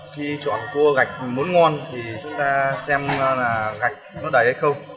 khi chọn cua gạch muốn ngon thì chúng ta xem là gạch nó đầy hay không